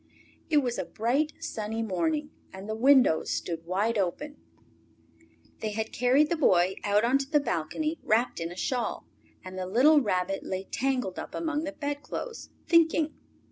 It was a bright, sunny morning, and the windows stood wide open. They had carried the Boy out on to the balcony, wrapped in a shawl, and the little Rabbit lay tangled up among the bedclothes, thinking.